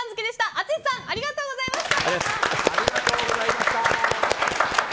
淳さんありがとうございました。